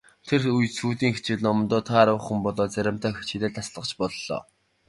Тэр сүүлийн үед хичээл номдоо тааруу болоод заримдаа хичээлээ таслах ч боллоо.